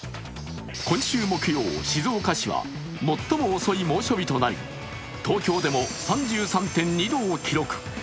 今週木曜、静岡市は最も遅い猛暑日となり東京でも３３．２度を記録。